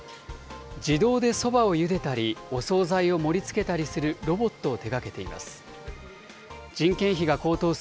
自動でそばをゆでたり、お総菜を盛りつけたりするロボットを手がけています。